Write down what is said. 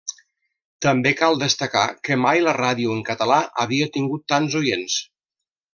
També cal destacar que mai la ràdio en català havia tingut tants oients.